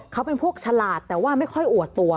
เขาเป็นพวกฉลาดแต่ว่าไม่ค่อยอวดตัว